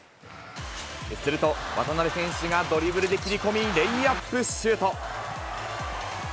すると、渡邊選手がドリブルで切り込み、レイアップシュート。